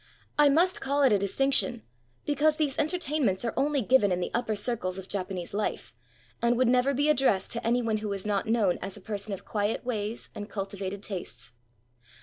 I must call it a distinction, because these entertainments are only given in the upper circles of Japanese life, and would never be addressed to any one who was not known as a person of quiet ways and cultivated tastes.